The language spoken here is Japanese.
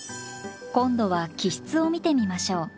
今度は気質を見てみましょう。